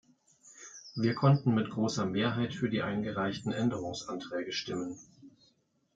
Wir konnten mit großer Mehrheit für die eingereichten Änderungsanträge stimmen.